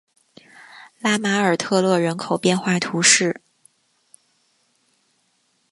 拉马尔特勒人口变化图示